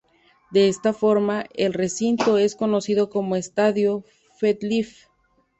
De esta forma, el recinto es conocido como Estadio MetLife.